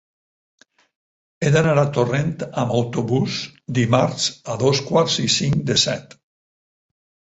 He d'anar a Torrent amb autobús dimarts a dos quarts i cinc de set.